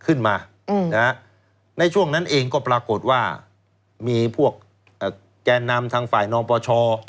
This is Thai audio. ขึ้นมาในช่วงนั้นเองก็ปรากฏว่ามีพวกแกนนำทางฝ่ายน้องปช